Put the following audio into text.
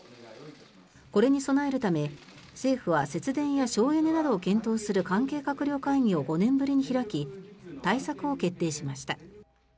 これに備えるため政府は節電や省エネなどを検討する関係閣僚会議を５年ぶりに開き対策を決定しました。